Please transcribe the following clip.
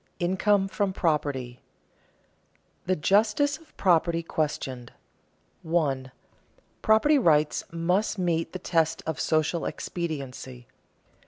INCOME FROM PROPERTY [Sidenote: The justice of property questioned] 1. _Property rights must meet the test of social expediency.